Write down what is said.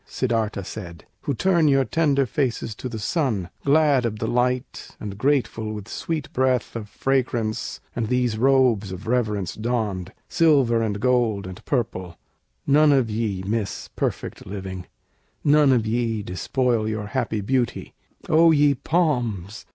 Siddârtha said, "Who turn your tender faces to the sun, Glad of the light, and grateful with sweet breath Of fragrance and these robes of reverence donned, Silver and gold and purple, none of ye Miss perfect living, none of ye despoil Your happy beauty. O ye palms!